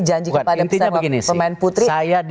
janji kepada pemain putri